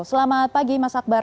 selamat pagi mas akbar